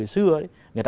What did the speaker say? người ta vẫn thích